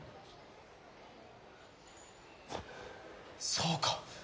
そうか！